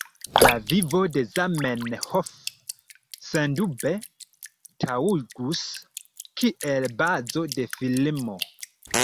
La vivo de Zamenhof sendube taŭgus kiel bazo de filmo.